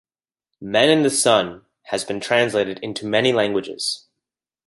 "Men in the Sun" has been translated into many languages.